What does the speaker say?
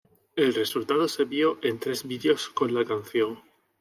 El resultado se vio en tres videos con la canción.